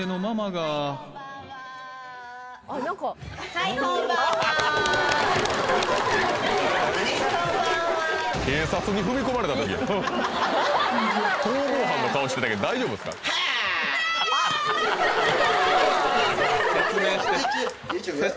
はいこんばんはこんばんは逃亡犯の顔してたけど大丈夫すかハーッ！